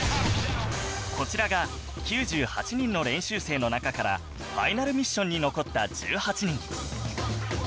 こちらが９８人の練習生の中からファイナルミッションに残った１８人